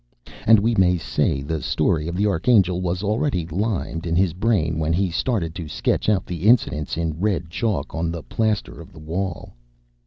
And we may say the story of the Archangel was already limned in his brain when he started to sketch out the incidents in red chalk on the plaster of the wall.